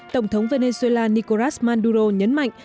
tổng thống venezuela nicolás maduro nhấn mạnh